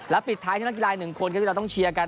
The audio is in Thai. แล้วปิดท้ายทางนักกีฬายหนึ่งคนที่เราต้องเชียร์กัน